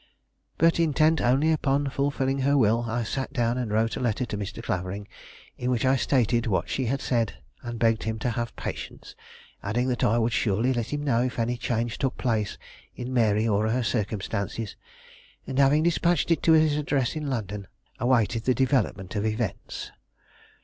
But, intent only upon fulfilling her will, I sat down and wrote a letter to Mr. Clavering, in which I stated what she had said, and begged him to have patience, adding that I would surely let him know if any change took place in Mary or her circumstances. And, having despatched it to his address in London, awaited the development of events.